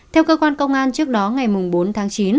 theo cơ quan công an trước đó ngày bốn tháng chín